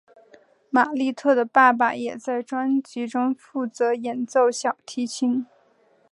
玛莉特的爸爸也在专辑中负责演奏小提琴。